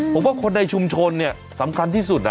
ผมว่าคนในชุมชนเนี่ยสำคัญที่สุดนะ